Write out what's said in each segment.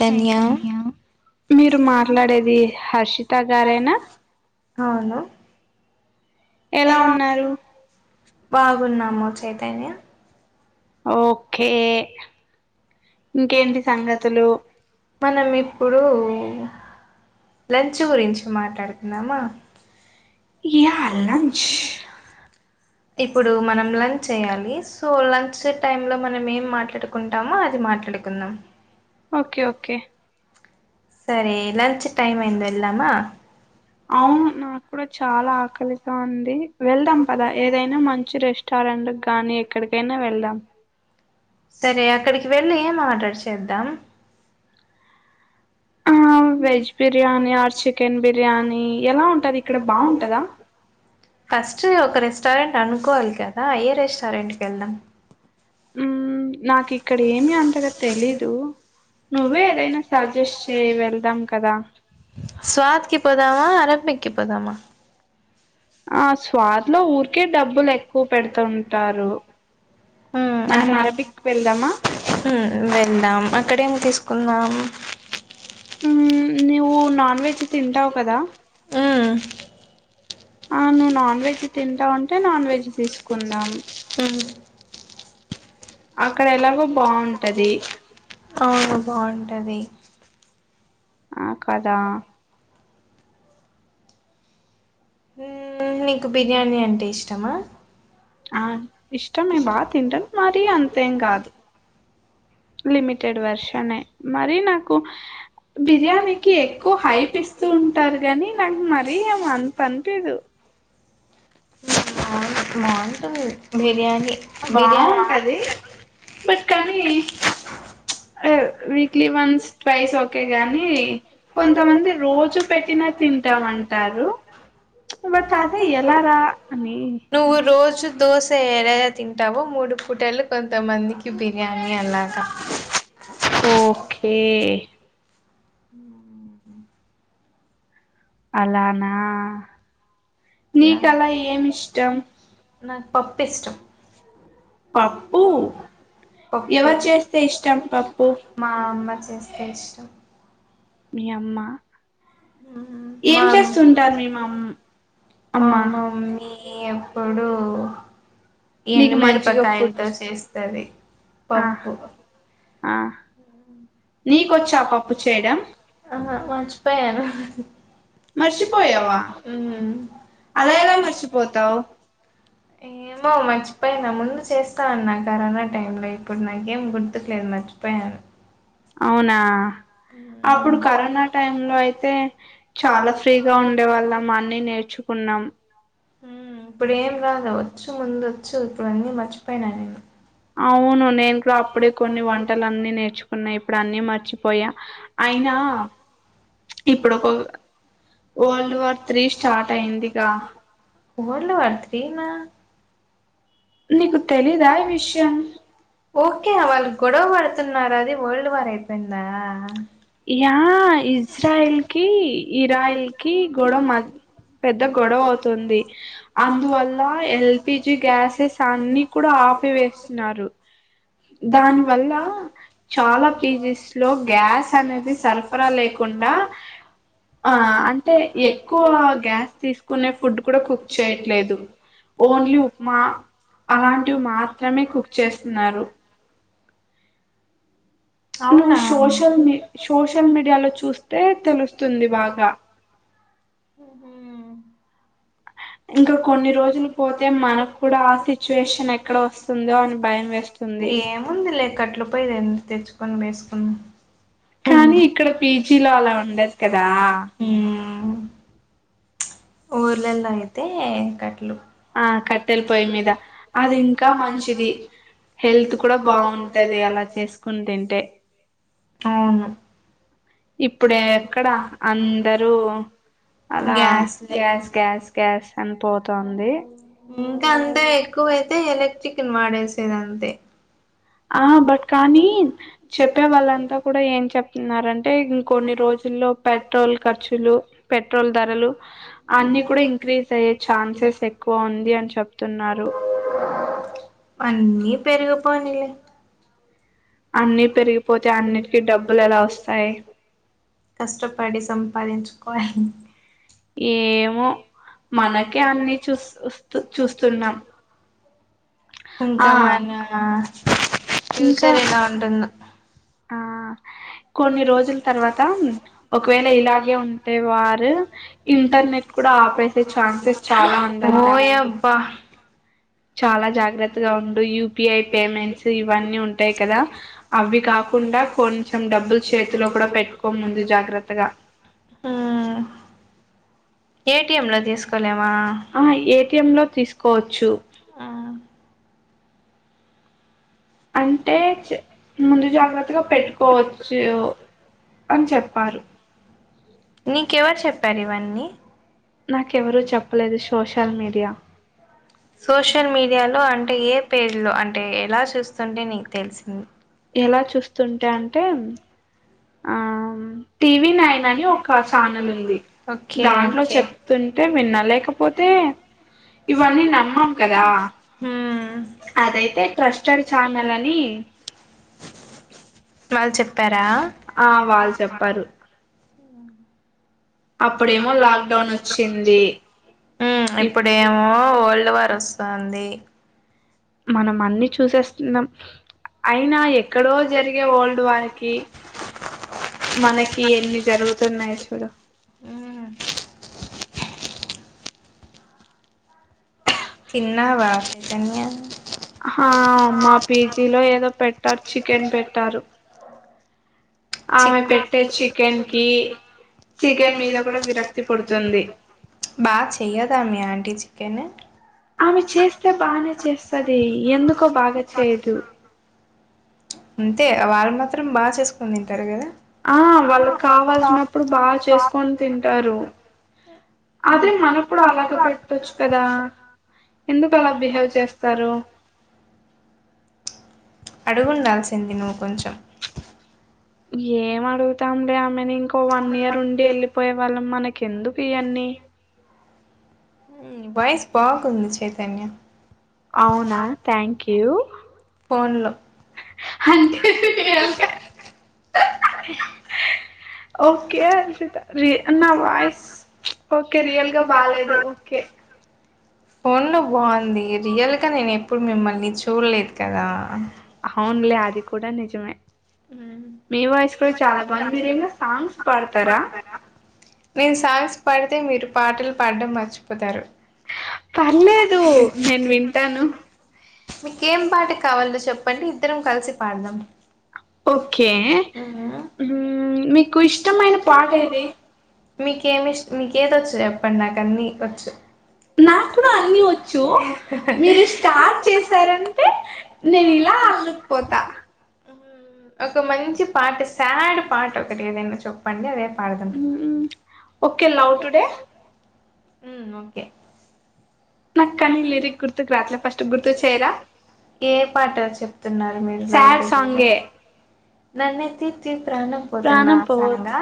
చైతన్య మీరు మాట్లాడేది హర్షిత గారేనా అవునా ఎలా ఉన్నారు బాగున్నామోచ్చయితే న్య ఓకే ఇంకేంటి సంగతులు మనం ఇప్పుడు అ లంచ్ గురించి మాట్లాడుకున్నామా యా లంచ్ ఇప్పుడు మనం లంచ్ చేయ్యాలి సో లంచ్ టైమ్ లో మనం ఏం మాట్లాడుకుంటామో అది మాట్లాడుకుందాం ఓకే ఓకే సరే లంచ్ టైమ్ అయింది వేలమా అవును నాకు కూడా చాలా ఆకలిగా ఉంది వెళ్దాం పదా ఏదైనా మంచి రెస్టారెంట్ గానీ ఎక్కడికైనా వెళ్దాం సరే అక్కడికి వెళ్ళి ఏం మాట్లాడ ప్రషద్దం ఆ veg biryani or chicken biryani ఎలా ఉంటది ఇక్కడ బాగుంటందా ఫస్ట్ ఒక రెస్టారెంట్ అనుకోవాలి కదా ఏయ రెస్టారెంట్ క వెళ్దాం నాకు ఇక్కడ ఏమి అంతగా తెలీదు నువ్వే ఏదైనా సజెస్ష్ట్ స్వాతికిపోదా ఆరమకిపోదమా క్ అక్కడ కున్నాం ఆ నువ్వు నాన్ వెజ్ తింటావు కదా అ నువ్ నాన్ వెజ్ తింటా అంటే నాన్ వెజ్ తీసుకున్న అక్కడ ఎలాగో బాగుంటది అవును బాగుంటది ఆకాదా మ్ నీకు బిర్యానీ అంటే ఇష్టమా ఆ ఇష్టమే బా తింటదు మరీ అంతేం కాదు లిమిటెడ్ వర్షనే మరి నాకు బిర్యానీకి ఎక్కువ హైపి ఇస్తూ ఉంటారు గాని, నాకు మరీ అంత అనిపిదు అవును బాగుంటది బిర్యానీ బాగుంటది బట్ కానీ a weekly once twice okay గాని, కొంతమంది రోజు పెట్టినా తింటామంటారు, బట్ అదే ఎలా రా అని తింటావు మూడు పూటలు కొంతమందికి బిర్యానీ అలా ఓకే ఉ అలానా నీకలా ఏమిష్టం నాకు పప్పు ఇష్టం పప్పు పప్ ఎవరు చేస్తే ఇష్టం పప్పు మా అమ్మ చేస్తే ఇష్టం మీ అమ్మా ఏం చేస్తుంటారు మీ మా మమ్మీ ఎప్పుడు ఎండు మిరపకాయతో చేస్ సరే అ ఆ నీకొచ్చా పప్పు చేయడం మర్చిపోయాను మర్చిపోయావా అలా ఎలా మర్చిపోతావ్ ఏమో మర్చిపోయినా ముందు చేస్తా అన్న కరోనా టైమ్ లో ఇప్పుడు నాకేం గుర్తుకులేదు మర్చిపోయాను. అవునా అప్పుడు కరోనా టైం లో అయితే, చాలా ఫ్రీగా ఉండేవాళ్ళం అన్ని నేర్చుకున్నాం. ఊ ఇప్పుడేం కాదు వచ్చు ముందు వచ్చు ఇప్పుడు అన్నీ మర్చిపోయినా నేను అవును నేను కూడా అప్పుడే కొన్ని వంటలన్ని నేర్చుకున్నా ఇప్పుడు అన్నీ మర్చిపోయా, అయినా ఇప్పుడు ఒక వరల్డ్ వార్ త్రీ స్టార్ట్ అయిందిగా ఓకే వాళ్ళు గొడవ పడుతున్నారా అని వరల్డ్ వార్ అయిపోయిందా యా ఇజ్రాయిల్ కి ఇరాయిల్ కి గొడవ మా పెద్ద గొడవ అవుతుంది అందువల్ల ఇలా ఎల్పీజీ గ్యాసెస్ అన్ని కూడా ఆపి వేస్తున్నారు, దాని వల్ల చాలా పీజెస్ లో గ్యాస్ అనేది సరఫరా లేకుండా, ఆ అంటే ఎక్కువ గ్యాస్ తీసుకునే ఫుడ్ కూడా కుక్ చేయట్లేదు. ఓన్లీ ఉప్మా అలాంటివి మాత్రమే కుక్ చేస్తున్నారు. అవునా సోషల్ మీ సోషల్ మీడియాలో చూస్తే తెలుస్తుంది బాగా మ్ ఏముందిలే కట్లు పోయేదేంది తెచ్చుకొని వేసుకొని కానీ ఇక్కడ పీజీ లో అలా ఉండదు కదా అవు ఊర్లల్ల అయితే ఇంకంట్లు ఆ కట్టెల పొయ్యి మీద, అది ఇంకా మంచిది హెల్త్ కూడా బావుంటది అలా చేసుకుని తింటే ఔ కద ఇంకా అంతే ఎక్కువైతే చికెన్ మాడేసేదంతే అన్నీ పెరిగిపోయినాయ్ లే అన్ని పెరిగిపోతే అన్నిటికి డబ్బులు ఎలా వస్తాయి కష్టపడి సంపాదించుకోవాలి ఏమో మనకే అన్ని చూస్తుస్తు చూస్తున్నాం ఇంక మన ఫ్యూచర్ ఎలా ఉంటుందొ కొన్ని రోజుల తర్వాత ఒకవేళ ఇలాగే ఉంటే వారు ఇంటర్నెట్ కూడ ఆపేసే ఛాన్సెస్ చాలా ఉందంట చాలా జాగ్రత్తగ ఉండు యూపీఐ పేమెంట్స్ ఇవన్నీ ఉంటయి కదా అవి కాకుండ కొంచెం హుమ్ ఏటీఎం లో తీసుకోలేమ ఆ ఏటీఎం లో తీసుకోవచ్చు అంటే ముందు జాగ్రత్తగ పెట్టుకోవచ్చు అని చెప్పారు నీకెవరు చెప్పార్ ఇవన్ని సోషల్ మీడియాలో అంటే అంటే ఏ పేజ్ లో అంటే ఎలా చూస్ చూస్తుంటే నీకు తెలిసింది ఎలా చూస్తుంటే అంటే ఓకె ఒకె హుమ్ వాళ్ళు చెప్పార ఆ వాళ్ళు చెప్పారు ఉమ ఇప్పుడేమో ఒల్డ్ వార్ వస్తాంది మనం మన్నిీ చూసేస్తున్నాం అయినా ఎక్కడో జరిగే ఒల్డ్ వార్కిి మనకి ఎన్ని జరుగుతున్నాయి చూడు తిన్న బాతతన్న హా మా పీజీలో ఏదో పెట్టారు చికెన్ పెట్టారు బాగ చేయదా ఆంటి చికెన్ అంతే వాళ్ళ మాత్రం బాగ చేసుకు కొన్తింటారు కదా' ఆ వాళ్ళకి కావాల్సినప్పుడు బాగా చేసుకొని తింటారు అదే మన కూడా అలాగ పెట్టొచ్చు కదా ఎందుకు అలా బిహేవ్ చేస్తారు అడుగుండాల్సింది నువ్వు కొంచం ఏం మ్ అడుగుతాం లే ఆమెని ఇంకో వన్ ఇయర్ ఉండి వెళ్ళిపోయే వాళ్ళం మనకెందుకు ఇవన్నీ వాయిస్ బాగుంది చైతన్య అవునా థ్యాంక్ యూ అంటే రియల్ గ ఓకే అర్షిత రి నా వాయిస్ ఓకే రియల్ గా బాలేదు ఓకే. ఫోన్లో బావున్ ది రియల్ గా నేను ఎప్పుడు మిమ్మల్ని చూడ్లేదు కదా. అవున్లే అది కూడా నిజమే. నేన్ సాంగ్స్ పాడితే ఇన్ మీరు పాటలు పాడ్డమ్ మర్చిపోతారు. మీకేం పాట కావాలో చెప్పండి ఇద్దరం కలిసి పాడదం ఓకే మీకు ఇష్టమైన పాటేది? మీకేమిస్ట్, మీకేదొచ్చు చెప్పండి నాకన్నీ ఒచ్చు నాక్కుడా అన్ని వచ్చు, మీరు స్టార్ట్ చేసారంటే నేను ఇలా అల్లుకుపోతా. ఒక మంచి పాట సాడ్ పాటోకటి ఏదైనా చెప్పండి అదే పాడదం ఉమ్ ఓకే ఏ పాట చెప్తున్నారు మీరు? గే నన్నెతే తీర్ ప్రాణం పోసిందా ఆ సాంగా?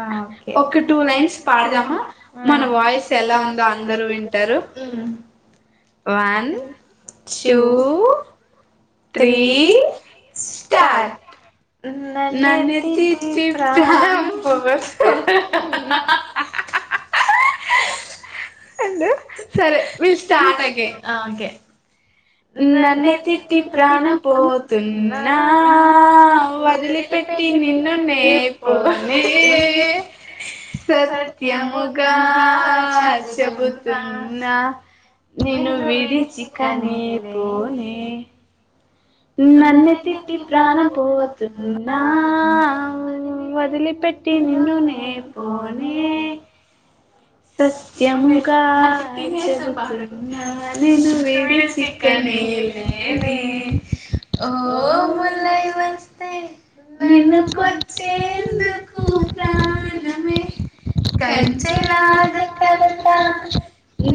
ఆహా ఓకె. వన్ టూ త్రీ ఈ స్టార్ట్ నన్నేతి తి ప్రాణం అండు, సరే విల్ స్టార్ట్ అగైన్ నన్నె తిట్టి ప్రాణం పోతున్నా వదిలిపెట్టి నిన్ను నే పోనే సత్యముగా చెప్ బుతున్నా నిను విడిచిక నేప్ పోనే నన్నె తిట్టి ప్రాణం పోతున్నా వదిలిపెట్టి నిన్ను నే పోనే నిన్ను విడిచిక నే లేనే ఓ మల్లయ్ వస్తే ఏ నను కొచ్చేందుకు ప్రాణమే కంచలా కలా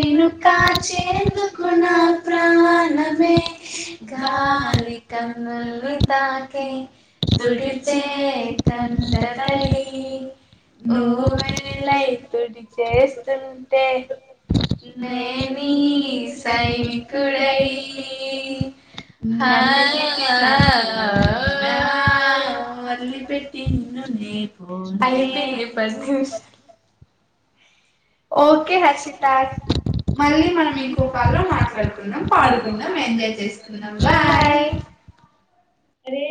నేను కాచేందుకు నా ప్రాణమే వాలి కన్నుల్ని తాకే తుడిచే కండరాళ ఓ వెేలై తుడిచస్తుంటే నే నీ సైనికుడై హ ఆ వదిలి పెట్టి నిన్ను నే పోనే ఓకే హార్షిత మళ్ళీ మనం ఇంకో కాల్ లో మాట్లాడుకుందం పాడుకుందాం ఎంజాయ్ చేసుకుందాం బాయ్